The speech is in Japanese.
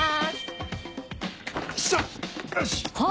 よし！